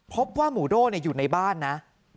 พบว่าหมูโด่อยู่ในบ้านนะ